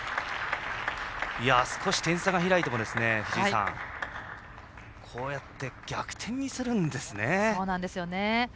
少し点差が開いてもこうやって、逆転にするんですね。